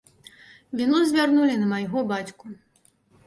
Віну звярнулі на майго бацьку.